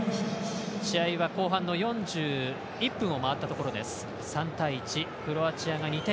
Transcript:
試合は後半の４１分を回ったところです。